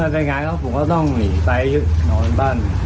บ้านผมครับ